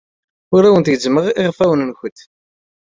Ur awent-gezzmeɣ iɣfawen-nwent.